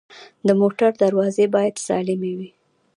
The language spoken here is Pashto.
د موټر دروازې باید سالمې وي.